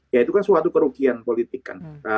ya itu kan suatu kerugian politik kan